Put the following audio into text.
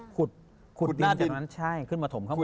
ขุดดินจากนั้นใช่ขึ้นมาถมข้างบน